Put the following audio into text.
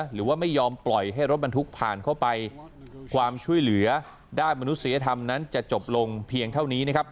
หรือว่าไม่ยอมปล่อยให้รถบรรทุกผ่านเข้าไปความช่วยเหลือด้านมนุษยธรรมนั้นจะจบลงเพียงเท่านี้นะครับ